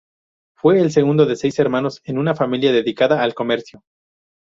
Fue el segundo de seis hermanos en una familia dedicada al comercio.